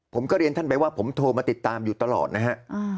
ผมก็เรียนท่านไปว่าผมโทรมาติดตามอยู่ตลอดนะฮะ